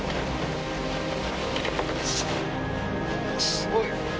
すごい。